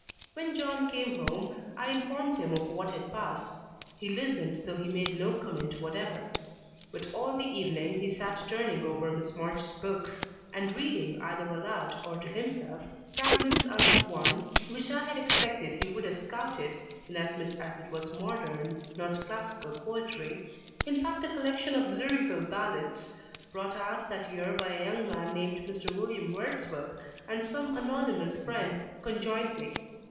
When John came home I informed him of what had passed. He listened, though he made no comment whatever. But all the evening he sat turning over Miss March's books, and reading either aloud or to himself fragments out of one which I had expected he would have scouted, inasmuch as it was modern not classical poetry: in fact, a collection of Lyrical Ballads, brought out that year by a young man named Mr. William Wordsworth, and some anonymous friend, conjointly.